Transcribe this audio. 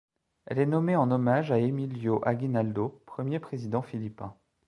Elle est nommée en hommage à Emilio Aguinaldo, premier président philippin.